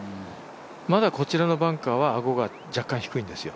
まだこちらのバンカーはアゴが若干低いんですよ。